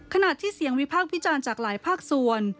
ขณะที่เสียงวิพากษ์วิจารณ์จากหลายภาคส่วน